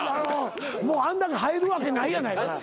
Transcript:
もうあの中入るわけないやないかい。